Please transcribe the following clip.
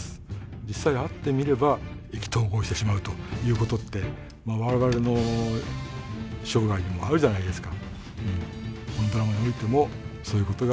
実際会ってみれば意気投合してしまうということって、われわれの生涯にもあるじゃないですか。